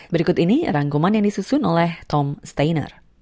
berikut ini rangkuman yang disusun oleh tom stainer